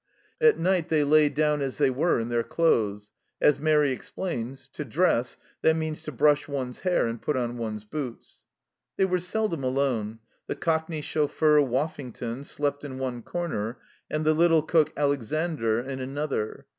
At night they lay down as they were in their clothes ; as Mairi explains, " To dress, that means to brush one's hair and put on one's boots." They were seldom alone ; the Cockney chauffeur, Woffington, slept in one corner, and the little cook, Alexandre, in another.